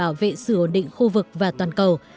là một chiến lược nhằm bảo vệ sự ổn định khu vực và toàn cầu